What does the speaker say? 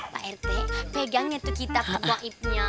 pak rt pegangnya tuh kitab goibnya